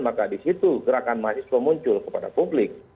maka di situ gerakan mahasiswa muncul kepada publik